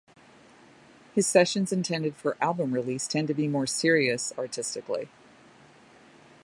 His sessions intended for album release tend to be more serious, artistically.